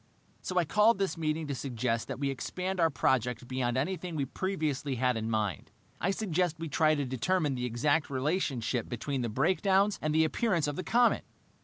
"So I called this meeting to suggest that we expand our project beyond anything we previously had in mind. I suggest we try to determine the exact relationship between the breakdowns and the appearance of the comet."